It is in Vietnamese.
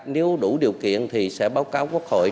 nếu đủ điều kiện thì sẽ báo cáo quốc hội